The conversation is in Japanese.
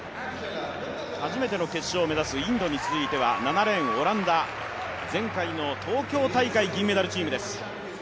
初めての決勝を目指すインドに続いては７レーン、オランダ、前回の東京大会銀メダルチームです。